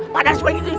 pak de coba gini